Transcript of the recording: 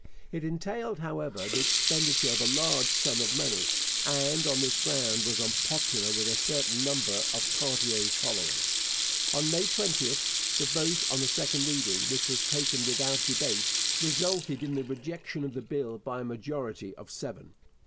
It entailed, however, the expenditure of a large sum of money, and on this ground was unpopular with a certain number of Cartier's followers. On May 20 the vote on the second reading, which was taken without debate, resulted in the rejection of the bill by a majority of seven.